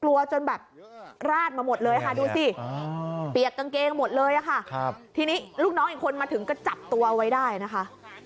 จนแบบราดมาหมดเลยค่ะดูสิเปียกกางเกงหมดเลยค่ะทีนี้ลูกน้องอีกคนมาถึงก็จับตัวเอาไว้ได้นะคะ